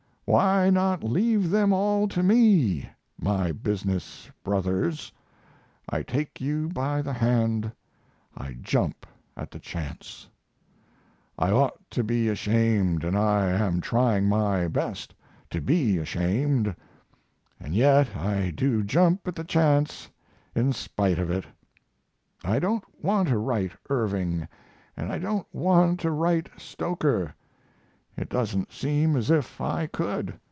"Why not leave them all to me?" My business brothers? I take you by the hand! I jump at the chance! I ought to be ashamed and I am trying my best to be ashamed and yet I do jump at the chance in spite of it. I don't want to write Irving and I don't want to write Stoker. It doesn't seem as if I could.